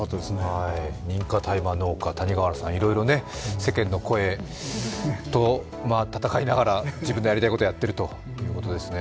認可大麻農家、谷川原さん、いろいろ世間の声と闘いながら自分のやりたいことをやっているということですね。